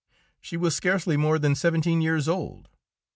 She was scarcely more than seventeen years old.